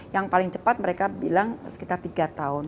yang paling cepat mereka bilang sekitar tiga tahun